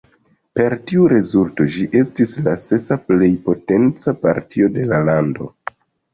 Per tiu rezulto ĝi estis la sesa plej potenca partio de la lando.